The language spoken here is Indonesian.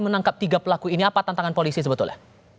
menangkap tiga pelaku ini apa tantangan polisi sebetulnya